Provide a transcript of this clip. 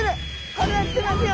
これはきてますよ！